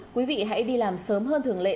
quý vị hãy đi làm sớm hơn thường lệ